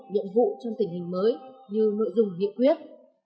nhiệm vụ trong tình hình mới như nội dung nghị quyết